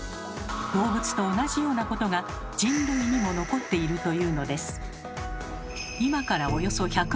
動物と同じようなことが人類にも残っているというのです。